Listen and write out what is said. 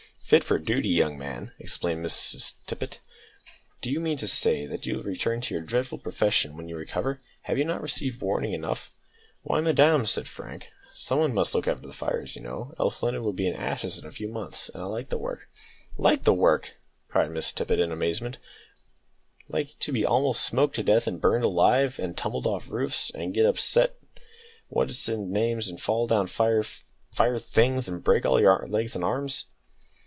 "Fit for duty, young man!" exclaimed Miss Tippet; "do you mean to say that you will return to your dreadful profession when you recover? Have you not received warning enough?" "Why, madam," said Frank, "some one must look after the fires, you know, else London would be in ashes in a few months; and I like the work." "Like the work!" cried Miss Tippet, in amazement; "like to be almost smoked to death, and burned alive, and tumbled off roofs, and get upset off what's its names, and fall down fire fire things, and break all your legs and arms!"